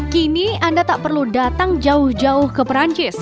kini anda tak perlu datang jauh jauh ke perancis